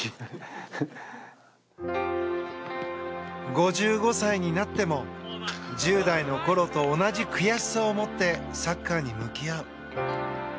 ５５歳になっても１０代のころと同じ悔しさを持ってサッカーに向き合う。